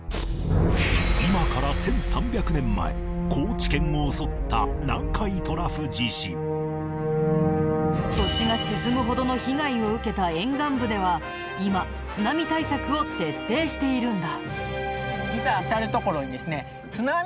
今から１３００年前高知県を襲った南海トラフ地震土地が沈むほどの被害を受けた沿岸部では今津波対策を徹底しているんだ。